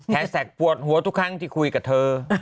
แท็กปวดหัวทุกครั้งที่คุยกับเธอ